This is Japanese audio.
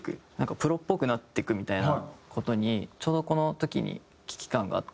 プロっぽくなっていくみたいな事にちょうどこの時に危機感があって。